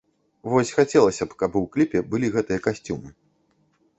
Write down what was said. Вось, хацелася б, каб у кліпе былі гэтыя касцюмы.